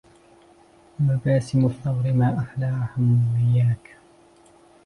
مَبَاسِمَ الثَغرِ ما أحلى حُمياكِ